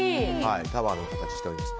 タワーの形で。